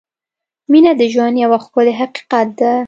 • مینه د ژوند یو ښکلی حقیقت دی.